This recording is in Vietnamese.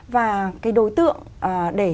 và cái đối tượng để